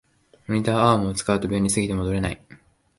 モニターアームを使うと便利すぎて戻れない